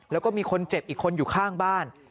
แล้วก็มีคนเจ็บอีกคนอยู่ข้างบ้าน